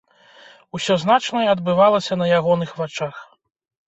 Усё значнае адбывалася на ягоных вачах.